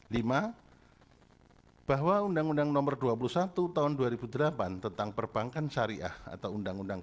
lima bahwa undang undang nomor dua puluh satu tahun dua ribu delapan tentang perbankan syariah atau undang undang